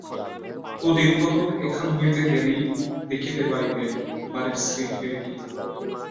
ও দিনকতক এখান হইতে গেলেই দেখিতে পাইবে, বাড়ির শ্রী ফেরে কি না!